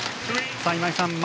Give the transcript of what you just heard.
今井さん